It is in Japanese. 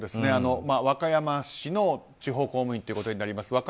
和歌山市の地方公務員ということになります。